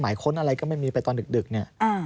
ค้นอะไรก็ไม่มีไปตอนดึกเนี่ย